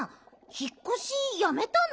ひっこしやめたの？